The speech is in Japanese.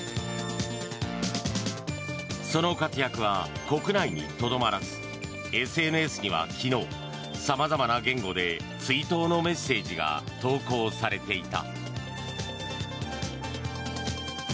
その活躍は国内にとどまらずＳＮＳには昨日様々な言語で追悼のメッセージが投稿されていた。